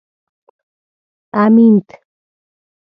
امېند